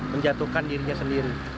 menjatuhkan dirinya sendiri